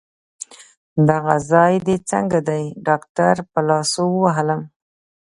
دغه ځای دي څنګه دی؟ ډاکټر په لاسو ووهلم.